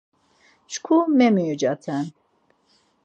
Çku memiucaten!” ...